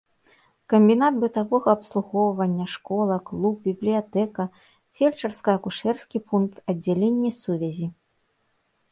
Камбінат бытавога абслугоўвання, школа, клуб, бібліятэка, фельчарска-акушэрскі пункт, аддзяленне сувязі.